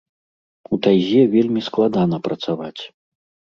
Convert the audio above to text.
У тайзе вельмі складана працаваць.